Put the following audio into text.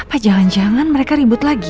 apa jangan jangan mereka ribut lagi